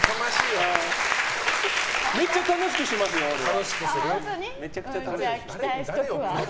めっちゃ楽しくしますよ、俺は。